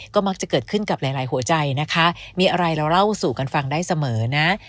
ก็มักจะเกิดขึ้นกับหลายหลายหัวใจนะคะมีอะไรเราเล่าสู่กันฟังได้เสมอนะ